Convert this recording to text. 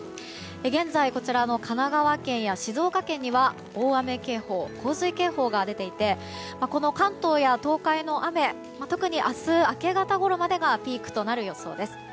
現在、神奈川県や静岡県には大雨警報、洪水警報が出ていて関東や東海の雨は明日明け方ころまでがピークとなる予想です。